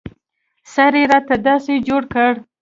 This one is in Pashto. سر يې راته داسې جوړ کړ.